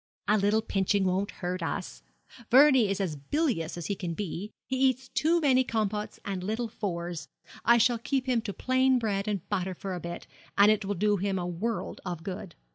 'A little pinching won't hurt us. Vernie is as bilious as he can be; he eats too many compots and little fours. I shall keep him to plain bread and butter for a bit, and it will do him a world of good.